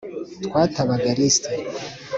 Twatabagalitse